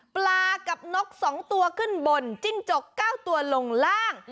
ปลากับน็อกสองตัวขึ้นบนจิ้งจกเก้าตัวลงล่าง